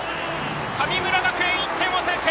神村学園、１点を先制！